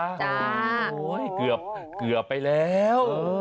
โอ้โหเกือบไปแล้ว